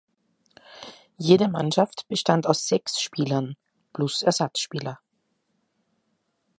Jede Mannschaft bestand aus sechs Spielern (plus Ersatzspieler).